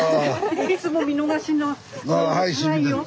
いつも見逃しを。